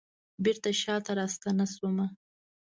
بیرته شاته راستنه شومه